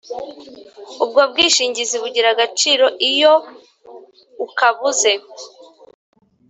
Ubwo bwishingizi bugira agaciro iyo ukabuze